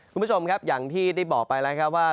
คุณผู้ชมครับอย่างที่ได้บอกไปแล้วครับว่า